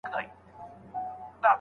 موږ تولیدي مؤسسو ته اړتیا لرو.